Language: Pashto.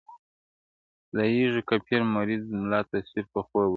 خدايږو که پير، مريد، ملا تصوير په خوب وويني,